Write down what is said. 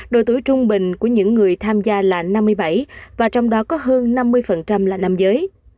độ tuổi trung bình của những người tham gia là năm mươi bảy và trong đó có hơn năm mươi là nam giới